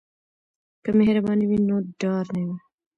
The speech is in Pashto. که مهرباني وي نو ډار نه وي.